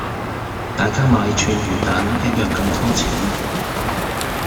大家買串魚蛋一樣咁多錢